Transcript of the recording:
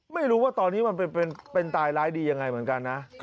ไม่รู้ว่าตอนนี้มันเป็นตายร้ายดียังไงเหมือนกันนะ